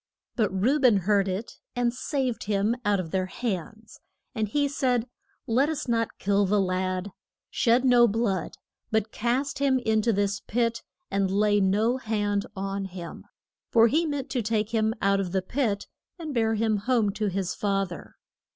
But Reu ben heard it, and saved him out of their hands. And he said, Let us not kill the lad. Shed no blood; but cast him in to this pit, and lay no hand on him. For he meant to take him out of the pit, and bear him home to his fath er.